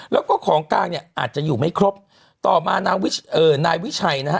แล้วก็ของกลางเนี่ยอาจจะอยู่ไม่ครบต่อมานางเอ่อนายวิชัยนะฮะ